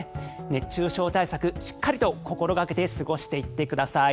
熱中症対策しっかりと心掛けて過ごしていってください。